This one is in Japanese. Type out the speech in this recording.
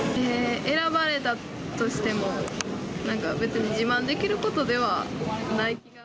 選ばれたとしても、なんか別に自慢できることではない。